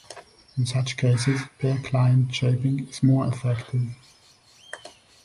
In such cases, per-client shaping is more effective.